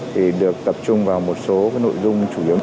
thì được tập trung vào một số nội dung chủ yếu